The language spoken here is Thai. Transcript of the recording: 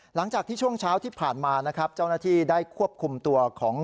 หลังจากที่ช่วงเช้าที่ผ่านมานะครับเจ้าหน้าที่ได้ควบคุมตัวของ